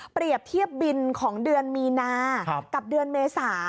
เปรียบเทียบบินของเดือนมีนากับเดือนเมษา